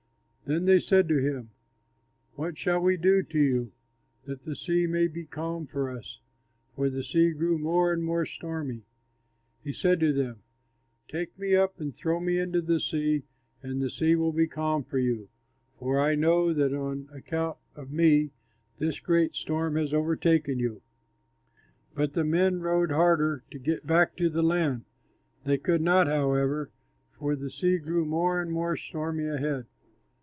Then they said to him, "What shall we do to you, that the sea may be calm for us?" for the sea grew more and more stormy. He said to them, "Take me up and throw me into the sea, and the sea will be calm for you, for I know that on account of me this great storm has overtaken you." But the men rowed hard to get back to the land; they could not, however, for the sea grew more and more stormy ahead.